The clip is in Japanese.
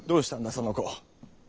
その子。